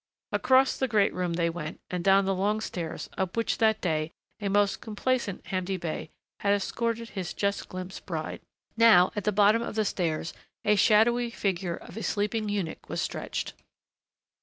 Across the great room they went and down the long stairs up which that day a most complacent Hamdi Bey had escorted his just glimpsed bride. Now at the bottom of the stairs a shadowy figure of a sleeping eunuch was stretched.